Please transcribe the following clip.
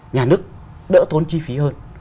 nhà nước đỡ tốn chi phí hơn